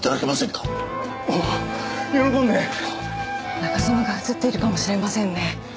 中園が写っているかもしれませんね。